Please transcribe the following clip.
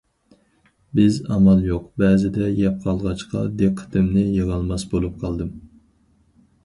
بىز ئامال يوق بەزىدە يەپ قالغاچقا دىققىتىمنى يىغالماس بولۇپ قالدىم.